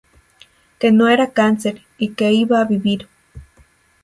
Que no era cáncer y que iba a vivir.